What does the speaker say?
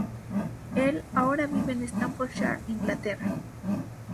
Él ahora vive en Staffordshire, Inglaterra.